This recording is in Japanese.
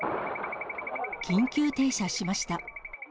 緊急停車しました。